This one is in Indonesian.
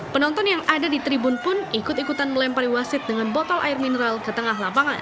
penonton yang ada di tribun pun ikut ikutan melempari wasit dengan botol air mineral ke tengah lapangan